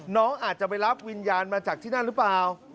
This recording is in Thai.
น้องอาจจะไปรับวิญญาณมาจากที่นั่นหรือเปล่า